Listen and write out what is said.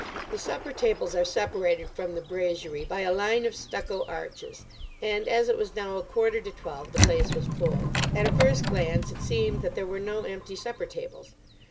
The supper tables are separated from the brasserie by a line of stucco arches, and as it was now a quarter to twelve the place was full. At a first glance it seemed that there were no empty supper tables.